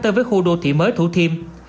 tới với khu đô thị mới thủ thiêm